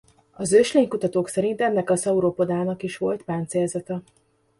Az őslénykutatók szerint ennek a sauropodának is volt páncélzata.